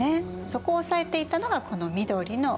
そこを押さえていたのがこの緑の魏。